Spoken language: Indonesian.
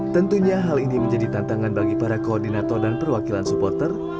tentunya hal ini menjadi tantangan bagi para koordinator dan perwakilan supporter